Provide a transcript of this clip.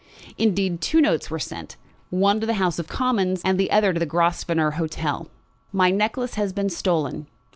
Indeed, two notes were sent, one to the House of Commons, and the other to the Grosvenor Hotel. "My necklace has been stolen.